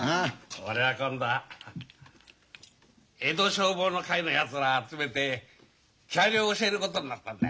俺は今度江戸消防の会のやつら集めて木遣りを教えることになったんだ。